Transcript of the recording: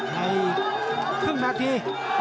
ในครึ่งนาที